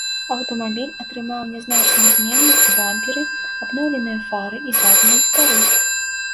Аўтамабіль атрымаў нязначныя змены ў бамперы, абноўленыя фары і заднія ліхтары.